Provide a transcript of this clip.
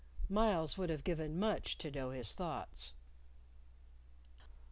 Myles would have given much to know his thoughts.